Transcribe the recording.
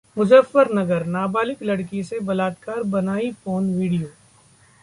मुजफ्फरनगर: नाबालिग लड़की से बलात्कार, बनाई पोर्न वीडियो